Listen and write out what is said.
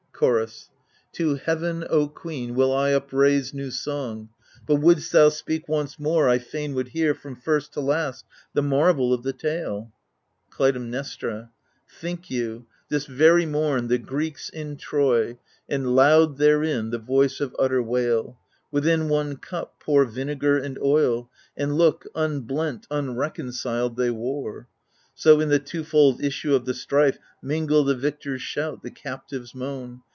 Chorus To heaven, O queen, will I upraise new song : But, wouldst thou speak once more, I fain would hear From first to last the marvel of the tale. Clytemnestra Think you — this very mom — the Greeks in Troy, And loud therein the voice of utter wail ! Within one cup pour vinegar and oil, And look ! unblent, unreconciled, they war. So in the twofold issue of the strife Mingle the victor's shout, the captives' moan.